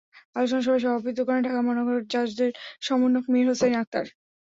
আলোচনা সভায় সভাপতিত্ব করেন ঢাকা মহানগর জাসদের সমন্বয়ক মীর হোসাইন আখতার।